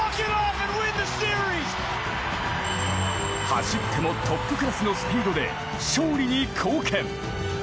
走ってもトップクラスのスピードで勝利に貢献。